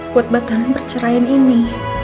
buat batalan perceraian ini